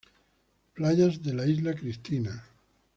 Playas de Isla Cristina